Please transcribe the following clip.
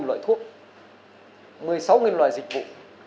một mươi sáu loại thuốc một mươi sáu loại dịch vụ